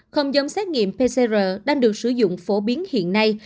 không giống xét nghiệm pcr đang được sử dụng phổ biến hiện nay